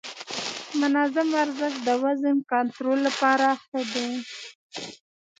منظم ورزش د وزن کنټرول لپاره ښه دی.